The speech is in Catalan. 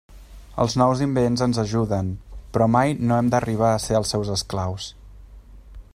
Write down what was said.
Els nous invents ens ajuden, però mai no hem d'arribar a ser els seus esclaus.